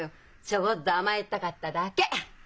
ちょごっと甘えたかっただけ！